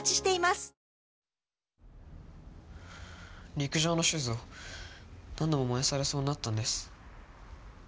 陸上のシューズを何度も燃やされそうになったんです。